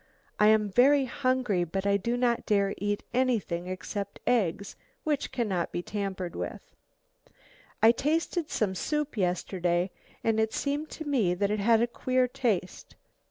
I am very hungry, but I do not dare to eat anything except eggs, which cannot be tampered with. I tasted some soup yesterday, and it seemed to me that it had a queer taste.